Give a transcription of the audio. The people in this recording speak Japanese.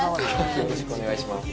よろしくお願いします